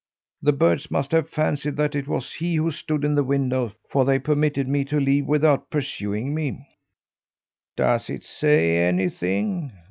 The birds must have fancied that it was he who stood in the window, for they permitted me to leave without pursuing me." "Does it say anything?"